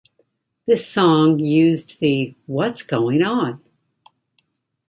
This song used the What's going on?